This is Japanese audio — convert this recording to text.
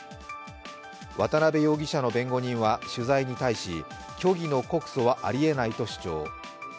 渡辺容疑者の弁護人は取材に対し虚偽の告訴はありえないと主張。